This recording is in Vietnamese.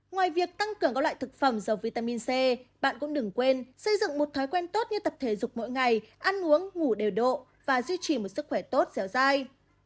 ngoài việc tăng cường các loại thực phẩm dầu vitamin c bạn cũng đừng quên xây dựng một thói quen tốt như tập thể dục mỗi ngày ăn uống ngủ đều độ và duy trì một sức khỏe tốt dẻo dai